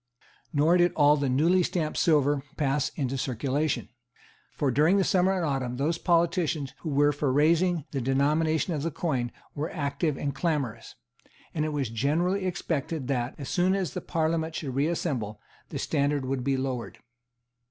Nor did all the newly stamped silver pass into circulation; for during the summer and autumn those politicians who were for raising the denomination of the coin were active and clamorous; and it was generally expected that, as soon as the Parliament should reassemble, the standard would be lowered.